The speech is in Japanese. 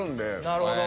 なるほど。